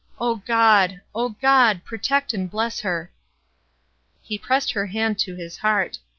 —O God!—O God!—protect and bless her!" He pressed her hand to his heart.